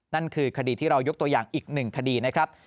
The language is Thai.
นั่นคือคดีที่เรายกตัวอย่างอีกหนึ่งคดีนะครับ